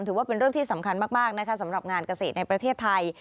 ถือว่าเป็นเรื่องที่สำคัญมากนะคะสำหรับงานเกษตรในประเทศไทย